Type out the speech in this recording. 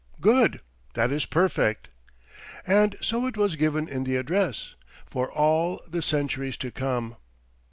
"Good, that is perfect!" And so it was given in the address: "for all the centuries to come."